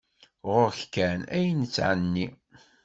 Ɣur-k kan ay nettɛenni.